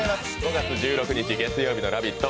５月１６日月曜日の「ラヴィット！」